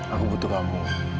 aku butuh kamu